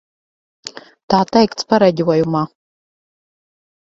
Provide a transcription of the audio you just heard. Tā teikts pareģojumā.